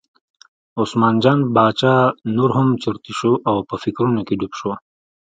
عثمان جان باچا نور هم چرتي شو او په فکرونو کې ډوب شو.